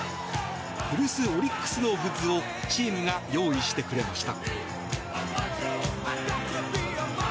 古巣オリックスのグッズをチームが用意してくれました。